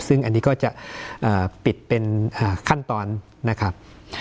ซึ่งอันนี้ก็จะปิดเป็นขั้นตอนนะครับ